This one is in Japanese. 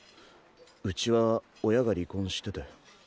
うちは親が離婚してて。